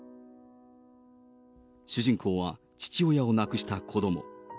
主人公は、父親を亡くした子ども。